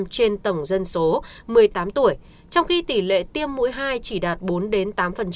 trên tổng dân số một mươi tám tuổi trong khi tỷ lệ tiêm mũi hai chỉ đạt bốn đến tám